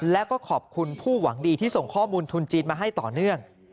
แล้วก็ขอบคุณผู้หวังดีที่ส่งข้อมูลทุนจีนมาให้ต่อเนื่อง